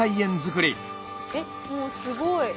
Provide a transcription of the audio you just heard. えっもうすごい。